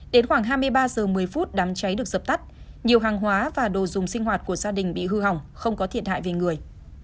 đến khoảng hai mươi ba h một mươi đám cháy được dập tắt nhiều hàng hóa và đồ dùng sinh hoạt của gia đình bị hư hỏng không có thiệt hại về người